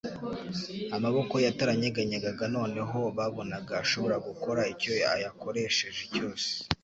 amaboko ye ataranyeganyegaga; noneho babonaga ashobora gukora icyo ayakoresheje cyose.